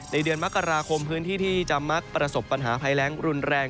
เดือนมกราคมพื้นที่ที่จะมักประสบปัญหาภัยแรงรุนแรง